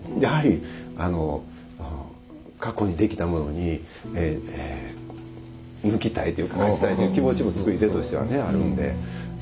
やはり過去にできたものを抜きたいという気持ちも作り手としてはねあるんで。